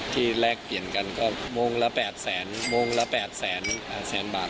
ที่แรกเปลี่ยนกันก็วงละ๘๐๐๐๐๐บาท